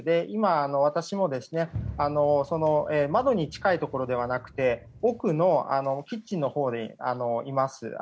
今、私も窓に近いところではなくて奥のキッチンのほうにいます。